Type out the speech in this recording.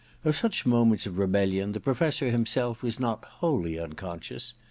Of such moments of rebellion the Professor himself was not wholly unconscious.